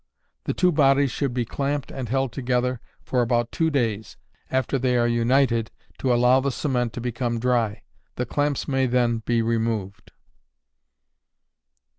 The two bodies should be clamped and held together for about two days after they are united, to allow the cement to become dry. The clamps may then be removed.